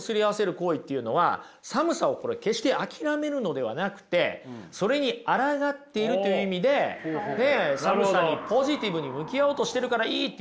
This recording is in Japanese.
行為っていうのは寒さを決して諦めるのではなくてそれにあらがっているという意味で寒さにポジティブに向き合おうとしてるからいいっていうふうに言うわけですよ。